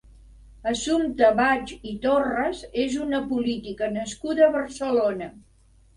Assumpta Baig i Torras és una política nascuda a Barcelona.